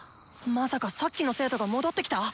まさかさっきの生徒が戻ってきた？